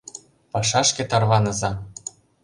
Пашашке тарваныза!